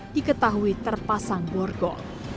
diketahui terpasang gorgol